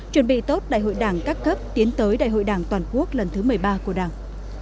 chuẩn bị tốt đại hội đảng các cấp tiến tới đại hội đảng toàn quốc lần thứ một mươi ba của đảng